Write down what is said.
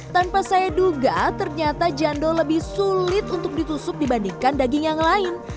tanpa saya duga ternyata jando lebih sulit untuk ditusuk dibandingkan daging yang lain